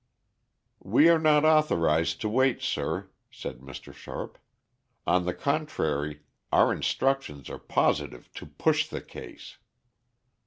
"We are not authorised to wait, sir," said Mr. Sharp. "On the contrary our instructions are positive to push the case."